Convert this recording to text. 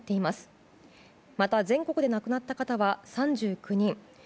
また全国で亡くなった方は３９人。